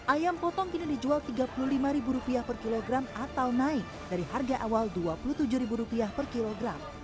ayam potong kini dijual rp tiga puluh lima per kilogram atau naik dari harga awal rp dua puluh tujuh per kilogram